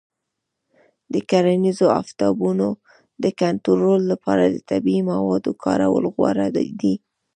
د کرنیزو آفتونو د کنټرول لپاره د طبیعي موادو کارول غوره دي.